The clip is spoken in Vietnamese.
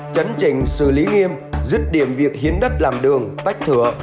chấn chỉnh xử lý nghiêm dứt điểm việc hiến đất làm đường tách thửa